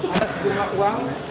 ada sejumlah uang